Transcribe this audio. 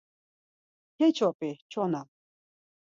Keç̌opi çona.